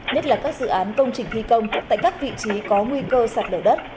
nhất là các dự án công trình thi công tại các vị trí có nguy cơ sạt lở đất